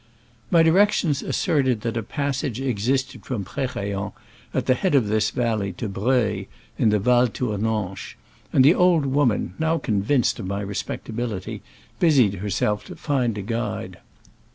My directions asserted that a passage existed from Prerayen, at the head of this valley, to Breuil, in the Val Tour nanche, and the old woman, now con vinced of my respectability, busied her self to find a guide.